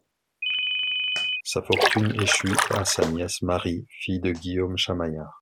Sa fortune échut à sa nièce Marie, fille de Guillaume Chamaillard.